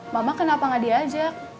mama kenapa nggak diajak